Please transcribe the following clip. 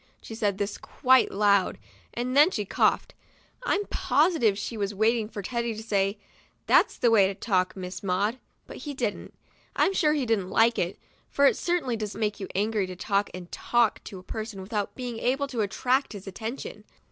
She said this quite loud, and then she coughed. I'm positive she was waiting for Teddy to say, '' That's the way to talk, Miss Maud," but he didn't. I'm sure she didn't like it, for it certainly does make you angry to talk and talk to a person, without being able to attract his attention.